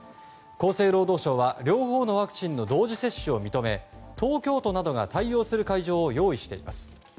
厚生労働省は両方のワクチンの同時接種を認め東京都などが対応する会場を用意しています。